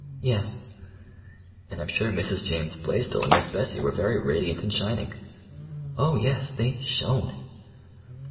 "Yes." "And I'm sure Mrs. James Blaisdell and Miss Bessie were very radiant and shining." "Oh, yes, they—shone."